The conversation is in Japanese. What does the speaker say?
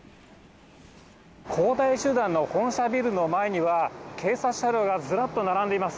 恒大集団の本社ビルの前には、警察車両がずらっと並んでいます。